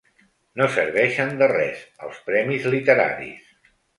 No serveixen de res, els premis literaris.